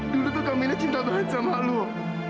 dulu tuh kamila cinta banget sama lo